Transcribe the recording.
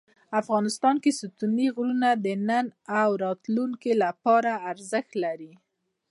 افغانستان کې ستوني غرونه د نن او راتلونکي لپاره ارزښت لري.